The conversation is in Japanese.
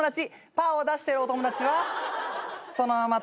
パーを出してるお友達はそのまま立っててください。